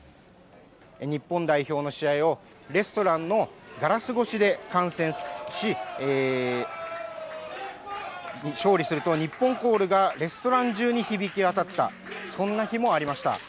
日本代表の試合を、レストランのガラス越しで観戦し、勝利すると、ニッポンコールが、レストラン中に響き渡った、そんな日もありました。